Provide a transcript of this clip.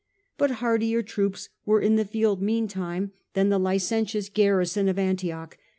But hardier troops were in the field meantime than the licentious garrison of Antioch.